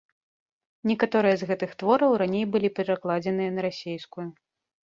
Некаторыя з гэтых твораў раней былі перакладзеныя на расейскую.